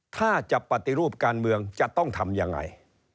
ถ้าจะปฏิรูปการเมืองจะต้องทำยังไง